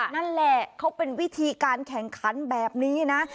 นั่นแหละเขาเป็นวิธีการแข่งขันแบบนี้นะ